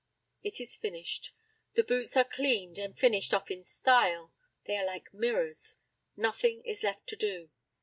It is finished. The boots are cleaned and finished off in style; they are like mirrors. Nothing is left to do.